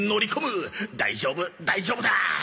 大丈夫大丈夫だ！